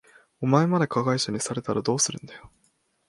お前まで加害者にされたらどうするんだよ。